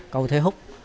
cầu thê húc